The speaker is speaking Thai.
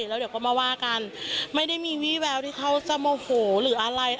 แล้วเดี๋ยวก็มาว่ากันไม่ได้มีวี่แววที่เขาจะโมโหหรืออะไร